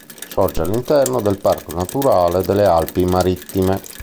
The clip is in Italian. Sorge all'interno del Parco naturale delle Alpi Marittime.